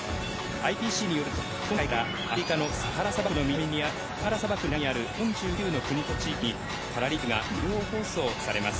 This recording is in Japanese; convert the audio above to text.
ＩＰＣによると、今回からアフリカのサハラ砂漠の南にある４９の国と地域にパラリンピックが無料放送されます。